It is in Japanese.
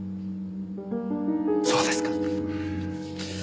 そうですか。